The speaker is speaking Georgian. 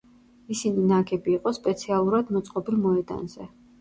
ისინი ნაგები იყო სპეციალურად მოწყობილ მოედანზე.